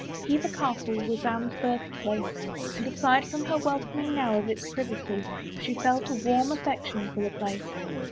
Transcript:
* Hever Castle was Anne's birthplace, and aside from her welcoming now of its privacy, she felt a warm affec tion for the place.